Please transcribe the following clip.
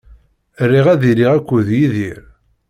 Riɣ ad iliɣ akked Yidir.